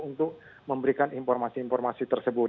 untuk memberikan informasi informasi tersebut